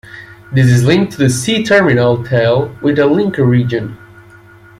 This is linked to the C-terminal tail with a linker region.